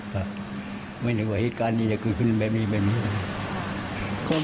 ถ้ามีปัญหาอะไรเมียเนี่ยฉันก็คิดว่าเอาเครื่องโครง